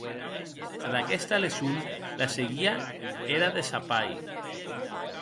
Ad aguesta leçon la seguie era de sa pair.